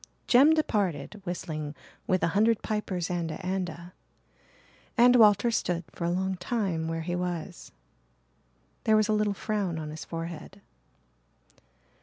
Jem departed whistling "Wi' a hundred pipers and a' and a'," and Walter stood for a long time where he was. There was a little frown on his forehead.